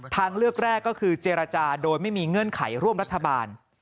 ทางเลือกแรกก็คือเจรจาโดยไม่มีเงื่อนไขร่วมรัฐบาล